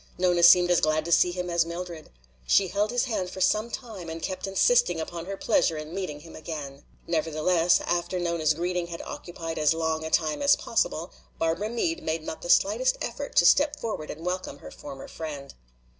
Nona seemed as glad to see him as Mildred. She held his hand for some time and kept insisting upon her pleasure in meeting him again. Nevertheless, after Nona's greeting had occupied as long a time as possible, Barbara Meade made not the slightest effort to step forward and welcome her former friend.